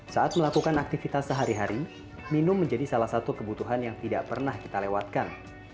saat melakukan aktivitas sehari hari minum menjadi salah satu kebutuhan yang tidak pernah kita lewatkan